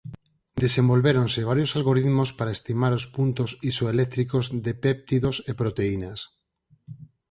Desenvolvéronse varios algoritmos para estimar os puntos isoeléctricos de péptidos e proteínas.